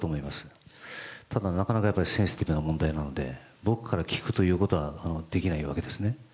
ただなかなかやっぱりセンシティブな問題なので僕から聞くということはできないわけですね。